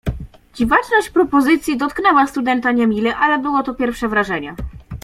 "Dziwaczność propozycji dotknęła studenta niemile, ale było to pierwsze wrażenie."